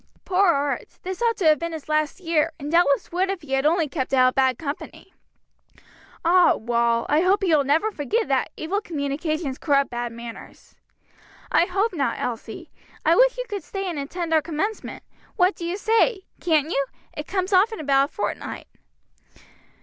"Poor Art! this ought to have been his last year, and doubtless would if he had only kept out of bad company." "Ah, Wal, I hope that you will never forget that 'evil communications corrupt good manners.'" "I hope not, Elsie. I wish you could stay and attend our commencement. What do you say? Can't you? It comes off in about a fortnight."